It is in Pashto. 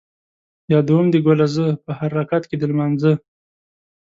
یادوم دې ګله زه ـ په هر رکعت کې د لمانځه